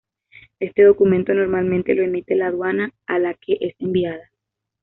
Este documento normalmente lo emite la aduana a la que es enviada.